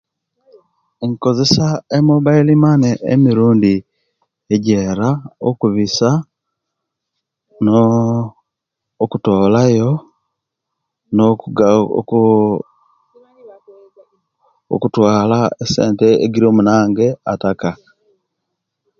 Nkozesa emobailo mane emirundi ejeera okubisa nooo'kutolayo no'kuga oooh okutwala esente egiri omunange attaka.